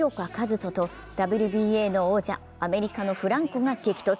翔とＷＢＯの王者・アメリカのフランコが対決。